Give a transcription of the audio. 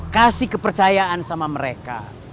kasih kepercayaan sama mereka